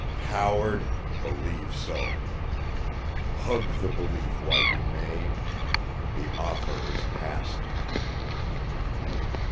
"Coward, believe so. Hug the belief while you may. The offer is past."